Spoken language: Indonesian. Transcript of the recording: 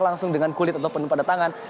langsung dengan kulit ataupun pada tangan